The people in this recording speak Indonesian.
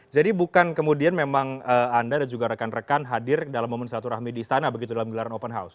jadi bukan kemudian memang anda dan juga rekan rekan hadir dalam momen satu rahmi di istana begitu dalam gelaran open house